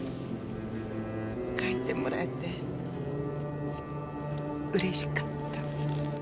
書いてもらえてうれしかった。